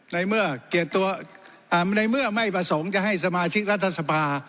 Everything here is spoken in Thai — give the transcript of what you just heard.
ในเมื่อไม่ประสงค์จะให้สมาชิกรัฐสภา